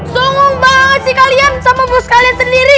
songong banget sih kalian sama bos kalian sendiri